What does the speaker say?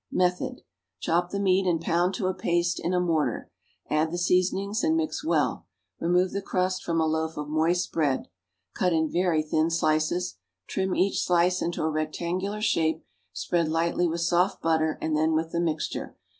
Method. Chop the meat and pound to a paste in a mortar; add the seasonings and mix well. Remove the crust from a loaf of moist bread; cut in very thin slices, trim each slice into a rectangular shape, spread lightly with soft butter and then with the mixture.